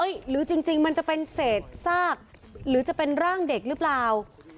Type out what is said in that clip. หรือจริงมันจะเป็นเศษซากหรือจะเป็นร่างเด็กหรือเปล่า